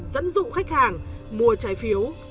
dẫn dụ khách hàng mua trái phiếu